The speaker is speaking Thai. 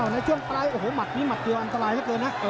ในช่วงใบมัดอันตรายเกิดนะ